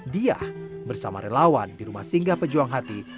diah bersama relawan di rumah singgah pejuang hati